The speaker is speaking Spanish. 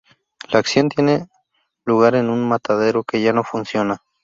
La acción tiene lugar en un matadero que ya no funciona.